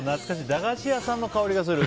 駄菓子屋さんの香りがする。